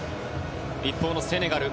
一方のセネガル。